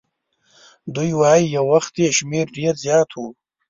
دوی وایي یو وخت یې شمیر ډېر زیات وو.